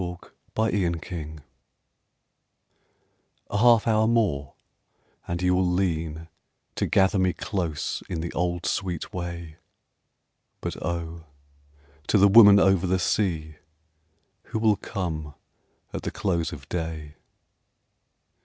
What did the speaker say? Dusk in War Time A half hour more and you will lean To gather me close in the old sweet way But oh, to the woman over the sea Who will come at the close of day?